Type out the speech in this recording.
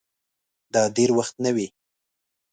دا دېر وخت نه وې